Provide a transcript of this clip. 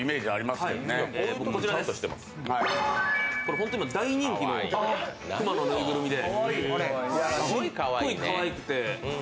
本当、今大人気の熊のぬいぐるみで。